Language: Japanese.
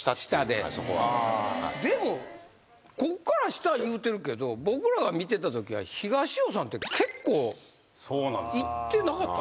でもこっから下言うてるけど僕らが見てたときは東尾さんって結構いってなかったですか？